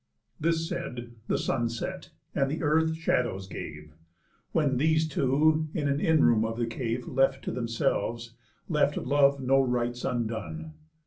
This said, the sun set, and earth shadows gave; When these two (in an in room of the cave, Left to themselves) left love no rites undone.